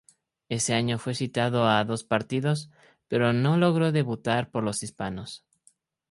Ese año fue citado a dos partidos, pero no logró debutar por los hispanos.